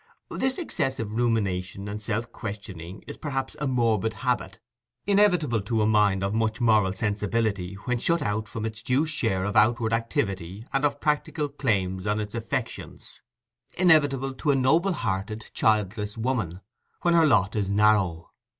This excessive rumination and self questioning is perhaps a morbid habit inevitable to a mind of much moral sensibility when shut out from its due share of outward activity and of practical claims on its affections—inevitable to a noble hearted, childless woman, when her lot is narrow.